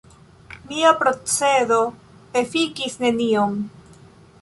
Mia procedo efikis neniom.